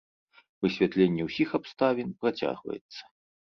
Высвятленне ўсіх абставін працягваецца.